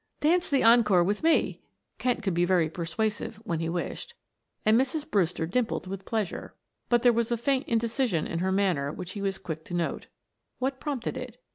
"Dance the encore with me" Kent could be very persuasive when he wished, and Mrs. Brewster dimpled with pleasure, but there was a faint indecision in her manner which he was quick to note. What prompted it?